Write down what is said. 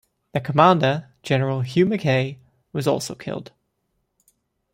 Their commander, general Hugh Mackay, was also killed.